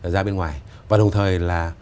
ra bên ngoài và đồng thời là